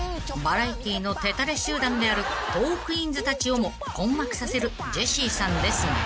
［バラエティーの手だれ集団であるトークィーンズたちをも困惑させるジェシーさんですが］